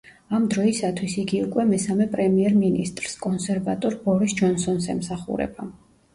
ამ დროისათვის იგი უკვე მესამე პრემიერ-მინისტრს, კონსერვატორ ბორის ჯონსონს ემსახურება.